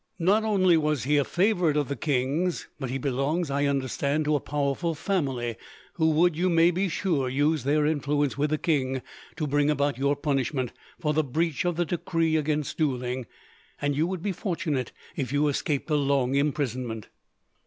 Not only was he a favourite of the king's, but he belongs, I understand, to a powerful family; who would, you may be sure, use their influence with the king to bring about your punishment, for the breach of the decree against duelling, and you would be fortunate if you escaped a long imprisonment."